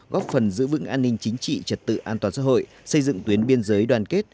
góp phần giữ vững an ninh chính trị trật tự an toàn xã hội xây dựng tuyến biên giới đoàn kết